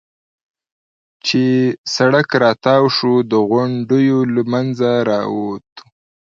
چې سړک را تاو شو، د غونډیو له منځه را ووتو.